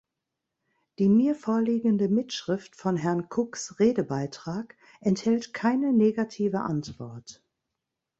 Die mir vorliegende Mitschrift von Herrn Cooks Redebeitrag enthält keine negative Antwort.